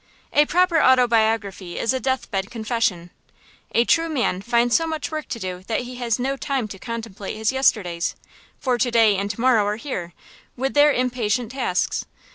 A proper autobiography is a death bed confession. A true man finds so much work to do that he has no time to contemplate his yesterdays; for to day and to morrow are here, with their impatient tasks.